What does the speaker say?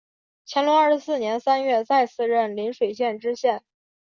乾隆二十四年三月再次任邻水县知县。